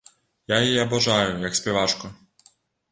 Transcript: Я яе абажаю як спявачку.